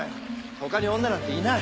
他に女なんていない！